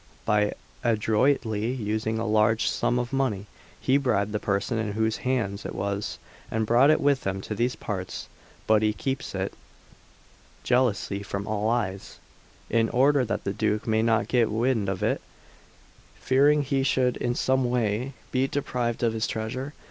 By adroitly using a large sum of money, he bribed the person in whose hands it was, and brought it with him to these parts; but he keeps it jealously from all eyes, in order that the Duke may not get wind of it, fearing he should in some way be deprived of his treasure."